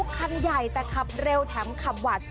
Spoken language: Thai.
วิทยาลัยศาสตร์อัศวิทยาลัยศาสตร์